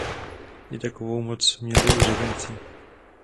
I takovou moc měli úředníci.